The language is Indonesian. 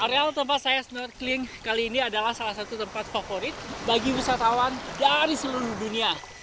areal tempat saya snorkeling kali ini adalah salah satu tempat favorit bagi wisatawan dari seluruh dunia